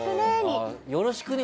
よろしくねに。